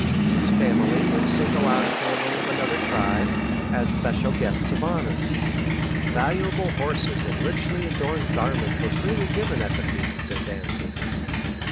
Each family would single out a family of another tribe as special guests of honor. Valuable horses and richly adorned garments were freely given at the feasts and dances.